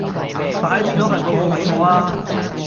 快啲攞份報告畀我吖